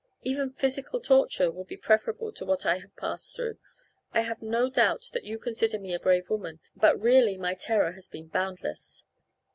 Even physical torture would be preferable to what I have passed through. I have no doubt that you consider me a brave woman, but really my terror has been boundless.